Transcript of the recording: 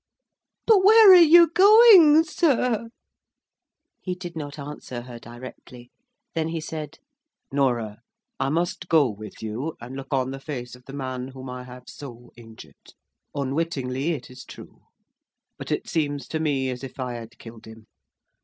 "But where are you going, sir?" He did not answer her directly. Then he said: "Norah! I must go with you, and look on the face of the man whom I have so injured,—unwittingly, it is true; but it seems to me as if I had killed him.